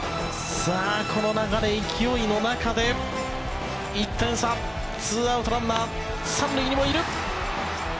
この中で、勢いの中で１点差、２アウトランナー３塁にもいる。